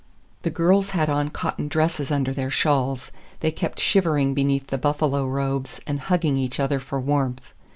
The girls had on cotton dresses under their shawls; they kept shivering beneath the buffalo robes and hugging each other for warmth.